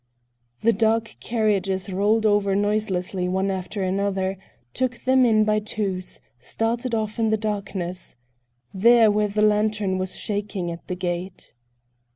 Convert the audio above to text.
The dark carriages rolled over noiselessly one after another, took them in by twos, started off into the darkness—there where the lantern was shaking at the gate.